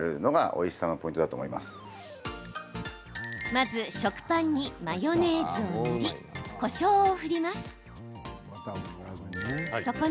まず、食パンにマヨネーズを塗りこしょうを振ります。